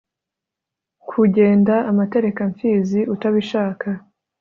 kugenda amaterekamfizi utabishaka